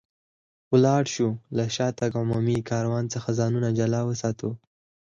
ولاړ شو، له شاتګ عمومي کاروان څخه ځانونه جلا وساتو.